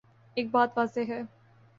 ایک بات واضح ہے۔